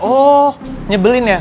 oh nyebelin ya